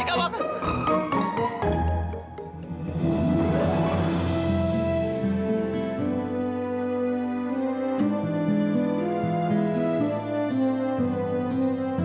kamu tuh tinggal bangun